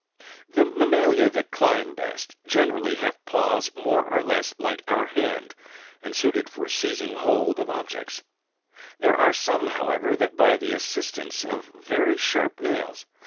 14. The mammalia that climb best, generally have paws more or less like our hand, and suited for seizing hold of objects ; there are some, however, that by the assistance of very sharp nails, 11.